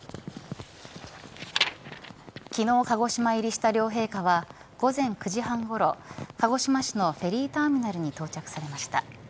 昨日、鹿児島入りした両陛下は午前９時半ごろ鹿児島市のフェリーターミナルに到着されました。